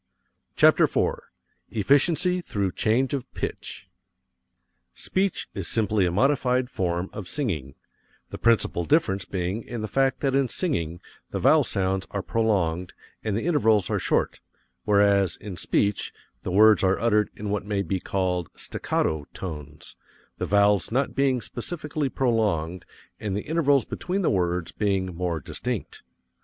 CHAPTER IV EFFICIENCY THROUGH CHANGE OF PITCH Speech is simply a modified form of singing: the principal difference being in the fact that in singing the vowel sounds are prolonged and the intervals are short, whereas in speech the words are uttered in what may be called "staccato" tones, the vowels not being specially prolonged and the intervals between the words being more distinct.